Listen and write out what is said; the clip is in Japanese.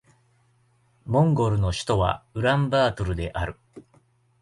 モンゴルの首都はウランバートルである